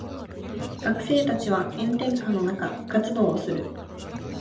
学生たちは炎天下の中部活動をする。